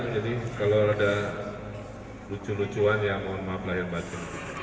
jadi kalau ada lucu lucuan ya mohon maaf lahir baca